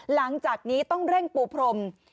หลังจากนี้ต้องเร่งปูพรม